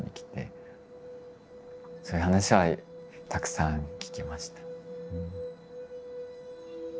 そういう話はたくさん聞きました。